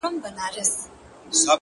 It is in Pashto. • سره جمع وي په کور کي د خپلوانو,